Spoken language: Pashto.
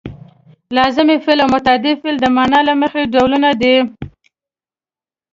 لازمي فعل او متعدي فعل د معنا له مخې ډولونه دي.